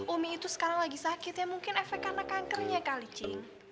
umi itu sekarang lagi sakit ya mungkin efek karena kankernya kalicing